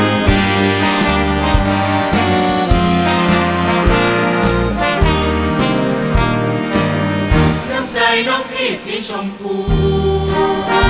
น้ำใจน้องพี่สีชมพู